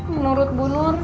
menurut bu nur